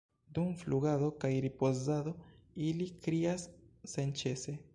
Dum flugado kaj ripozado ili krias senĉese.